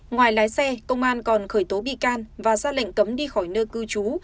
ngoài lái xe công an còn khởi tố bị can và ra lệnh cấm đi khỏi nơi cư trú